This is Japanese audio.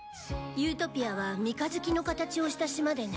ユートピアは三日月の形をした島でね